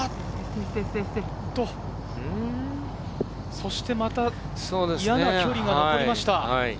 そしてまた嫌な距離が残りました。